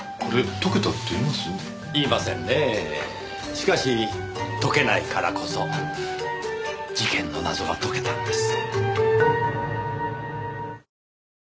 しかし解けないからこそ事件の謎が解けたんです。